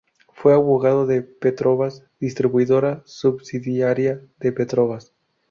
Fue abogado de Petrobras Distribuidora, subsidiaria de Petrobras.